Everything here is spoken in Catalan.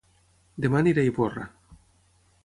Dema aniré a Ivorra